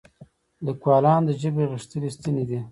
لیکوالان د ژبې غښتلي ستني دي.